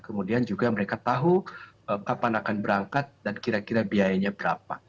kemudian juga mereka tahu kapan akan berangkat dan kira kira biayanya berapa